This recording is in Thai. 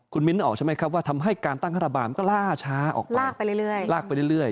คุณมิ้นต์ออกใช่ไหมครับว่าทำให้การตั้งฮาราบาลมันก็ลากช้าออกไปลากไปเรื่อย